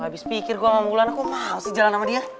gak habis pikir gua sama mulan kok mau sih jalan sama dia